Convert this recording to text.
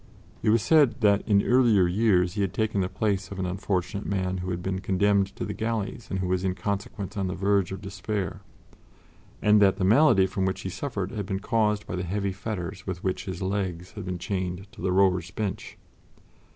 It was said that in earlier years he had taken the place of an unfortunate man who had been condemned to the galleys and who was in consequence on the verge of despair, and that the malady from which he suffered had been caused by the heavy fetters with which his legs had been chained to the rowers' bench.